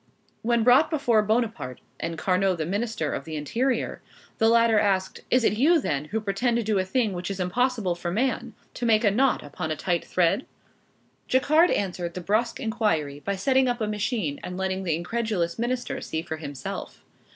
When brought before Bonaparte, and Carnot the Minister of the Interior, the latter asked, "Is it you then, who pretend to do a thing which is impossible for man, to make a knot upon a tight thread?" Jacquard answered the brusque inquiry by setting up a machine, and letting the incredulous minister see for himself.